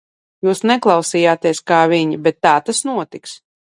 Jūs neklausījāties kā viņi, bet tā tas notiks!